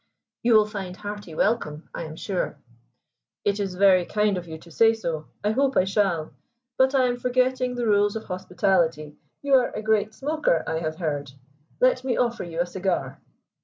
"You will find hearty welcome, I am sure." "It is very kind of you to say so; I hope I shall. But I am forgetting the rules of hospitality. You are a great smoker, I have heard. Let me offer you a cigar."